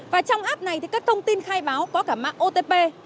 và trong app này thì các thông tin khai báo có cả mạng otp